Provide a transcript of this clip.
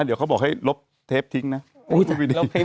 เดี๋ยวเขาบอกให้ลบทิปทิ้งนะพูดไปดีลบทิปทิ้ง